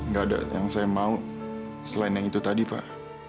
nggak ada yang saya mau selain yang itu tadi pak